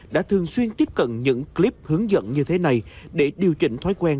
đã thường xuyên tiếp cận những clip hướng dẫn như thế này để điều chỉnh thói quen